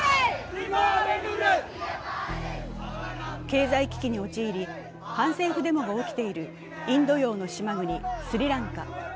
経済危機に陥り、反政府デモが起きているインド洋の島国スリランカ。